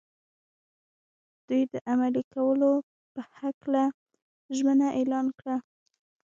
دوی د عملي کولو په هکله ژمنه اعلان کړه.